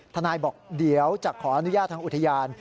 นายบอกเดี๋ยวจะขออนุญาตทางอุทยาน